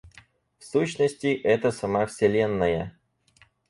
В сущности, это сама Вселенная.